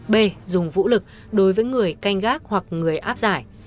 b dùng vũ lực đối với người canh gác hoặc người áp giải